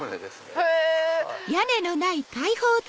へぇ。